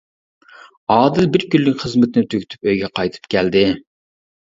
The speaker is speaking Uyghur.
ئادىل بىر كۈنلۈك خىزمىتىنى تۈگىتىپ ئۆيگە قايتىپ كەلدى.